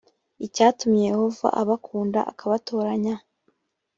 icyatumye yehova abakunda akabatoranya